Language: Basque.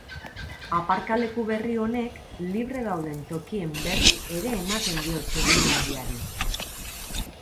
Aparkaleku berri honek, libre dauden tokien berri ere ematen dio txirrindulariari.